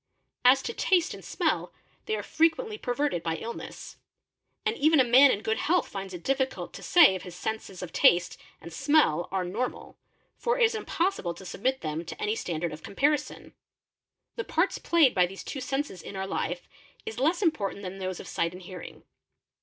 " As to taste and smell, they are frequently perverted by illness; and fen a man in good health finds it difficult to say if his senses of taste ane smell are normal, for it is impossible to submit them to any standard of comparison, ie The parts played by these two senses in our life is less important shar those of sight and hearing.